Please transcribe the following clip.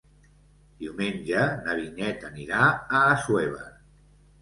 Diumenge na Vinyet anirà a Assuévar.